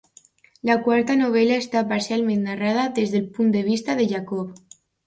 La quarta novel·la està parcialment narrada des del punt de vista de Jacob.